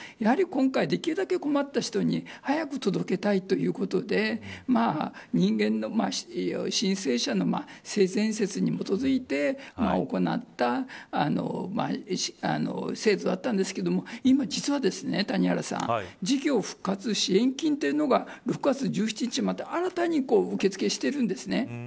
今回、できるだけ困った人に早く届けたいということで申請者の性善説に基づいて行った制度だったんですけども今、実は谷原さん事業復活支援金というのが６月１７日まで、新たに受け付けしてるんですね。